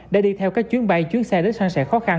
đã đi theo các chuyến bay chuyến xe đến san sẻ khó khăn